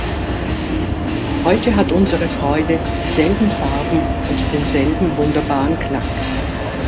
Heute hat unsere Freude dieselben Farben und denselben wunderbaren Klang.